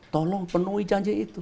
tolong penuhi janji itu